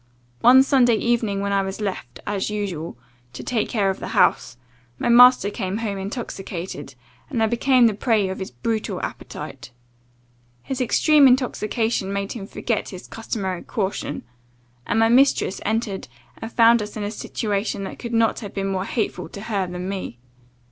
One Sunday evening when I was left, as usual, to take care of the house, my master came home intoxicated, and I became the prey of his brutal appetite. His extreme intoxication made him forget his customary caution, and my mistress entered and found us in a situation that could not have been more hateful to her than me.